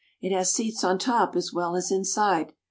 It has seats on top as well as inside.